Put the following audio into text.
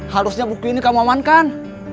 harusnya buku ini kamu amankan